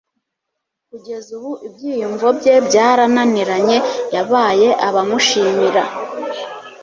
Kugeza ubu ibyiyumvo bye byarananiranye; yabaye abamushimira.